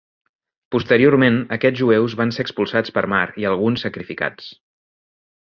Posteriorment aquests jueus van ser expulsats per mar i alguns sacrificats.